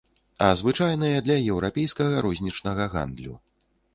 А звычайныя для еўрапейскага рознічнага гандлю.